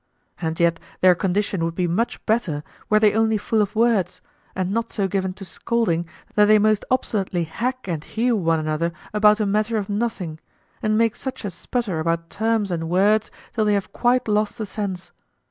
And yet their condition would be much better were they only full of words and not so given to scolding that they most obstinately hack and hew one another about a matter of nothing and make such a sputter about terms and words till they have quite lost the sense.